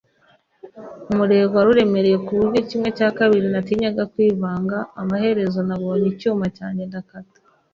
umurego wari uremereye kuburyo kimwe cya kabiri natinyaga kwivanga. Amaherezo nabonye icyuma cyanjye ndakata